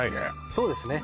そうですね